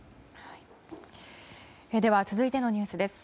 続いてのニュースです。